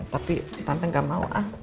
tapi tante gak mau ah